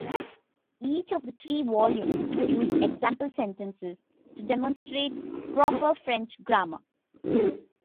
Each of the three volumes use example sentences to demonstrate proper French grammar.